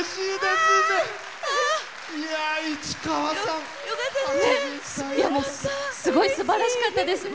すごいすばらしかったですね。